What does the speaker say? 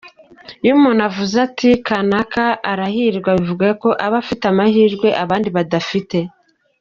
Iyo umuntu avuze ati kanaka arahirwa bivuga ko aba afite amahirwe abandi badafite.